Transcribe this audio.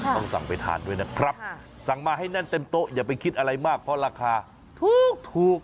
ต้องสั่งไปทานด้วยนะครับสั่งมาให้แน่นเต็มโต๊ะอย่าไปคิดอะไรมากเพราะราคาถูก